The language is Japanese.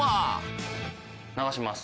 流します。